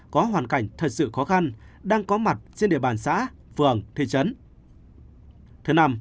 có hoàn cảnh thật sự khó khăn đang có mặt trên địa bàn xã phường thị trấn